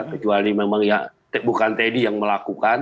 kecuali memang ya bukan teddy yang melakukan